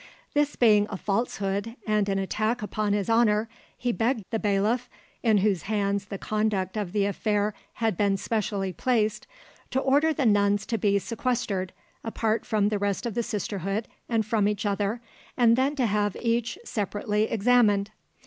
This being a falsehood and an attack upon his honour, he begged the bailiff, in whose hands the conduct of the affair had been specially placed, to order the nuns to be sequestered, apart from the rest of the sisterhood and from each other, and then to have each separately examined.